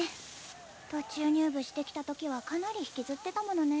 途中入部してきたときはかなり引きずってたものね。